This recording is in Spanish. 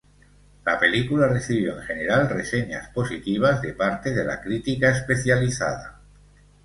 La película recibió en general reseñas positivas de parte de la crítica especializada.